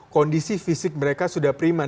kondisi fisik mereka sudah prima